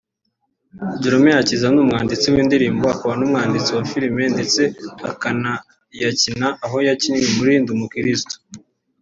Joram Gakiza ni umwanditsi w’indirimbo akaba n’umwanditsi wa filime ndetse akanayakina aho yakinnye muri; Ndi umukristo